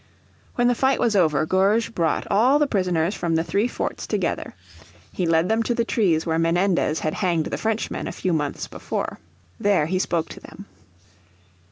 When the fight was over Gourges brought all the prisoners from the three forts together. He led them to the trees where Menendez had hanged the Frenchmen a few months before. There he spoke to them.